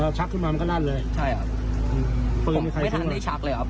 ชักขึ้นมามันก็นั่นเลยใช่ครับปืนผมไม่ทันได้ชักเลยครับ